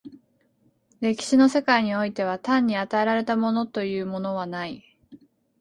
歴史の世界においては単に与えられたものというものはない。